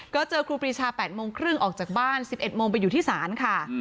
ก็เจอครูปรีชา๘โมงครึ่งออกจากบ้าน๑๑โมงไปอยู่ที่ศาลค่ะ